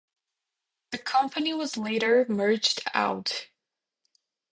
The company was later merged out.